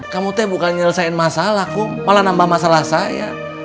kamu tuh bukan nyelesain masalahku malah nambah masalah saya